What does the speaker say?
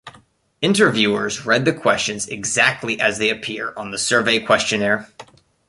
Interviewers read the questions exactly as they appear on the survey questionnaire.